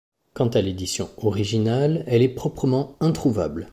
Quant à l'édition originale, elle est proprement introuvable.